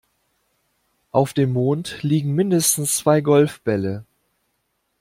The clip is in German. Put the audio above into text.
Auf dem Mond liegen mindestens zwei Golfbälle.